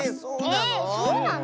えそうなの？